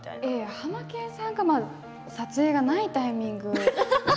ハマケンさんが撮影がないタイミング